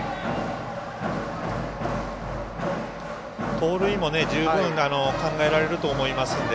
盗塁も十分考えられると思いますので。